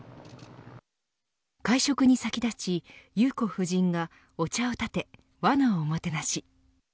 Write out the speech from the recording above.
会食に先立ちユウコ夫人がお茶をたて和のおもてなし。